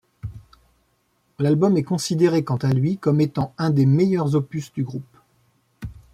L'album est considéré quant à lui comme étant un des meilleurs opus du groupe.